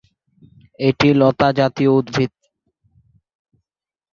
এটি লতা জাতীয় উদ্ভিদ।